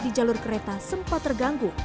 di jalur kereta sempat terganggu